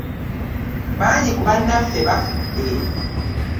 Bangi ku bannaffe bafudde